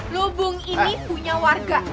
lubung ini punya warga